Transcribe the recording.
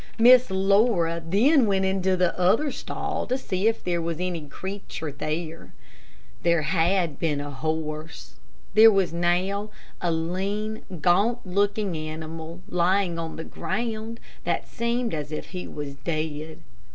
Miss Laura then went into the other stall to see if there was any creature there. There had been a horse. There was now a lean, gaunt looking animal lying on the ground, that seemed as if he was dead.